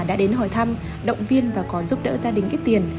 đã đến hỏi thăm động viên và có giúp đỡ gia đình ít tiền